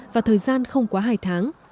và thời gian không quá hai tháng